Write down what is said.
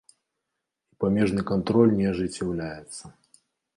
І памежны кантроль не ажыццяўляецца.